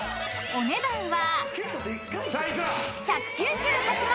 ［お値段は］